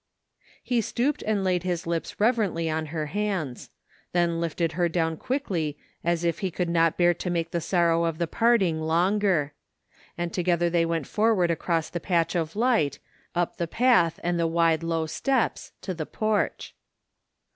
He stooped and laid his lips reverently on her hands; then lifted her down quickly as if he could not bear to make the sorrow of the parting longer; and together they went forward across the patch of light, up the path and the wide low steps to the porch.